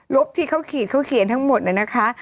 บที่เขาขีดเขาเขียนทั้งหมดนะคะ